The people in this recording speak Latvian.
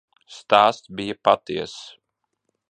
Stāsts bija patiess.